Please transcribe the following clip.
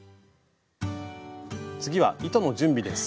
次は糸の準備です。